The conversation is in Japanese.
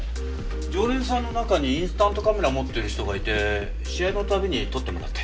常連さんの中にインスタントカメラを持ってる人がいて試合の度に撮ってもらって。